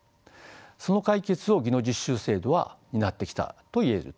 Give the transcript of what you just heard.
その解決を技能実習制度は担ってきたと言えると思います。